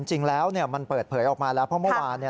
จริงแล้วมันเปิดเผยออกมาแล้วเพราะเมื่อวาน